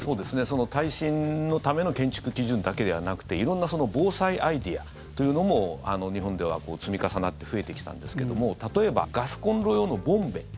耐震のための建築基準だけではなくて色んな防災アイデアというのも日本では積み重なって増えてきたんですけども例えば、ガスコンロ用のボンベ。